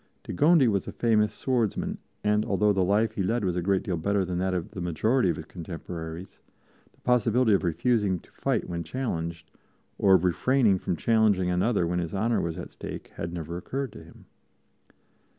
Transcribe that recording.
De Gondi was a famous swordsman, and although the life he led was a great deal better than that of the majority of his contemporaries, the possibility of refusing to fight when challenged, or of refraining from challenging another when his honor was at stake, had never occurred to him.